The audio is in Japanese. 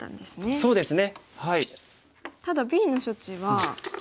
そうですね。